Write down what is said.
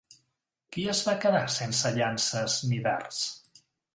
Qui es va quedar sense llances ni dards?